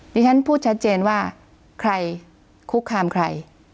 ฉันพูดชัดเจนว่าใครคุกคามใคร